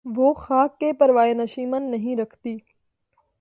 وہ خاک کہ پروائے نشیمن نہیں رکھتی